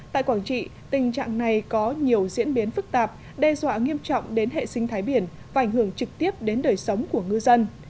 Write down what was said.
tại quảng trị tình trạng này có nhiều diễn biến phức tạp đe dọa nghiêm trọng đến hệ sinh thái biển và ảnh hưởng trực tiếp đến đời sống của ngư dân